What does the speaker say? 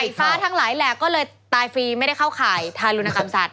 ฟ้าทั้งหลายแหลกก็เลยตายฟรีไม่ได้เข้าข่ายทารุณกรรมสัตว